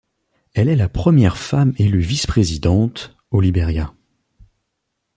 Elle est la première femme élue vice-présidente au Liberia.